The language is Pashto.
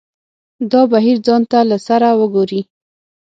دا بهیر ځان ته له سره وګوري.